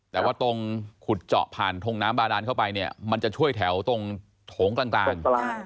แต่ว่าตรงขุดเจาะผ่านทงน้ำบาดานเข้าไปเนี่ยมันจะช่วยแถวตรงโถงกลาง